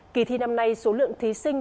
kỳ thi năm nay số lượng thí sinh